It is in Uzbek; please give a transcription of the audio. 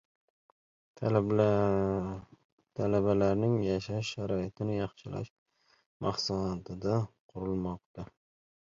Talabalarning yashash sharoitini yaxshilash maqsadida qurilmoqda.